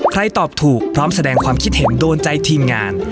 ตอบถูกพร้อมแสดงความคิดเห็นโดนใจทีมงาน